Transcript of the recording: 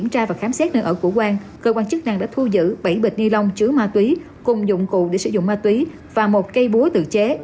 qua khám xét nơi ở của quang cơ quan chức năng đã thu giữ bảy bịch ni lông chứa ma túy cùng dụng cụ để sử dụng ma túy và một cây búa tự chế